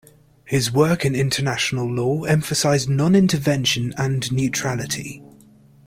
His work in international law emphasized non-intervention and neutrality.